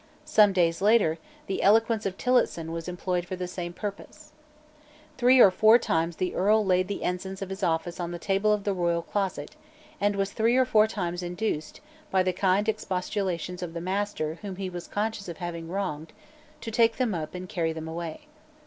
Some days later, the eloquence of Tillotson was employed for the same purpose, Three or four times the Earl laid the ensigns of his office on the table of the royal closet, and was three or four times induced, by the kind expostulations of the master whom he was conscious of having wronged, to take them up and carry them away.